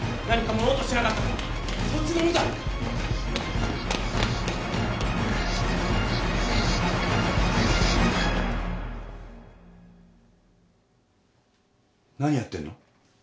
何やってんの？